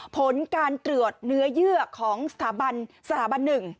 ผลการตรวจเนื้อเยื่อของสถาบัน๑